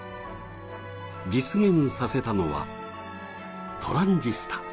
実現させたのは、トランジスタ。